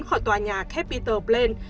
khỏi tòa nhà capitol plain